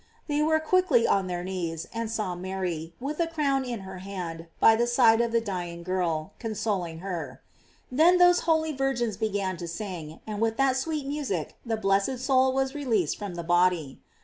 They were quick ly on their knees, and saw Mary, with a crown in her hand by the side of the dying girl, con soling her. Then those holy virgins began to sing, and with that sweet music the blessed soul was released from the body.